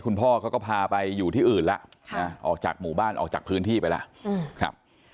คุณพ่อก็ก็พาไปอยู่ที่อื่นล่ะออกจากหมู่บ้านออกจากพื้นที่ไปล่ะ